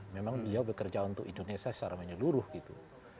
memang dia bekerja untuk indonesia secara menyeluruh gitu